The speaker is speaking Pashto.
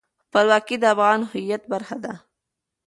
خپلواکي د افغان هویت برخه ده.